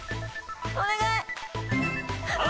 お願い！